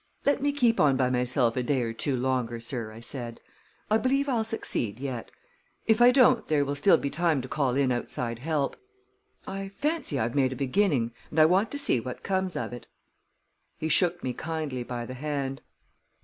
"Let me keep on by myself a day or two longer, sir," I said. "I believe I'll succeed yet. If I don't there will still be time to call in outside help. I fancy I've made a beginning, and I want to see what comes of it." He shook me kindly by the hand.